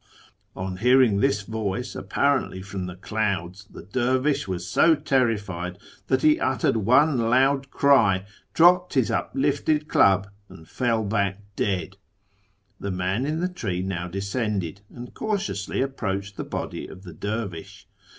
" On hearing this voice, apparently from the clouds, the dervish was so terrified that he uttered one loud cry, dropped Iiis uplifted club, and fell back dead. The man in the tree now descended, and cautiously approached the body of the dervish.